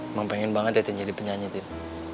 memang pengen banget din jadi penyanyi din